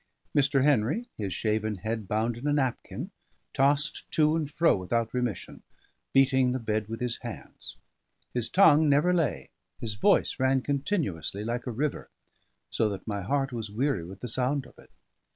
Mr. Henry, his shaven head bound in a napkin, tossed to and fro without remission, beating the bed with his hands. His tongue never lay; his voice ran continuously like a river, so that my heart was weary with the sound of it.